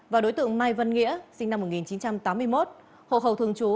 và đối tượng mai vân nghĩa sinh năm một nghìn chín trăm tám mươi một hồ hậu thường chú